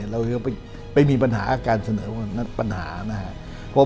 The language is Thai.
เรายังไม่มีปัญหาการเสนอปัญหานะครับ